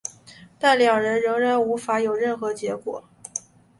但两人仍然无法有任何结果。